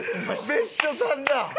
別所さんだ！